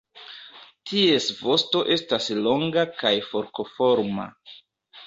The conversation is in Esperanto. Ties vosto estas longa kaj forkoforma.